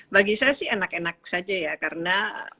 bagi saya sih enak enak saja ya karena